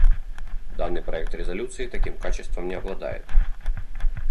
Данный проект резолюции таким качеством не обладает.